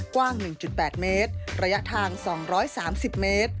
กว้าง๑๘เมตรระยะทาง๒๓๐เมตร